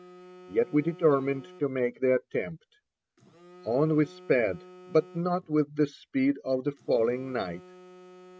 Yet we determined to make the attempt. On we sped, but not with the speed of the falling night.